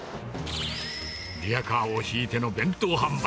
リヤカーを引いての弁当販売。